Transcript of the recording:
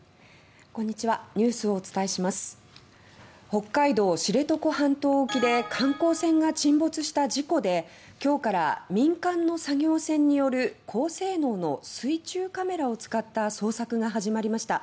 北海道知床半島沖で観光船が沈没した事故で今日から民間の作業船による高性能の水中カメラを使った捜索が始まりました。